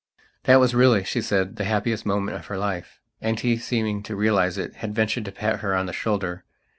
That was really, she said, the happiest moment of her life. And he, seeming to realize it, had ventured to pat her on the shoulder.